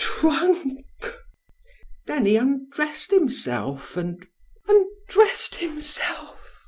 "A trunk?" "Then he undressed himself, and " "Undressed himself!"